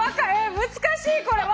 難しいこれ。